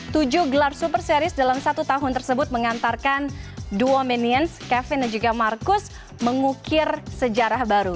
tujuh gelar super series dalam satu tahun tersebut mengantarkan duo minions kevin dan juga marcus mengukir sejarah baru